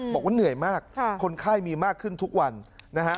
บอกว่าเหนื่อยมากคนไข้มีมากขึ้นทุกวันนะฮะ